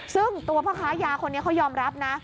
ซึ่งตัวพ่อค้ายาคนนี้เขายอมรับนะ